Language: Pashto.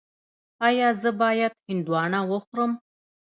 ایا زه باید هندواڼه وخورم؟